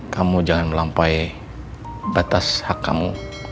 kamu jangan melampaui batas hak kamu